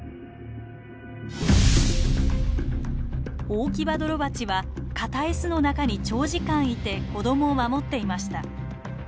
オオキバドロバチは硬い巣の中に長時間いて子供を守っていました。